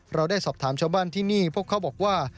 เราได้สอบถามชาวบ้านที่นี่พวกเขาบอกว่า